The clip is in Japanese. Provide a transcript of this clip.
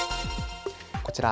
こちら。